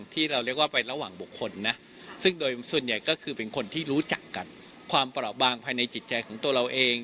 ที่เราเรียกว่าเป็นระหว่างบุคคลนะซึ่งโดยส่วนใหญ่ก็คือเป็นคนที่รู้จักกันความเปราะบางภายในจิตใจของตัวเราเอง